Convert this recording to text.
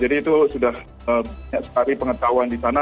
jadi itu sudah banyak sekali pengetahuan di sana